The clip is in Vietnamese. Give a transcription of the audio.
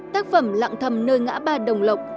tác phẩm lặng thầm nơi ngã ba đồng lộc